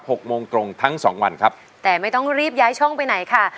หกโมงตรงทั้งสองวันครับแต่ไม่ต้องรีบย้ายช่องไปไหนค่ะ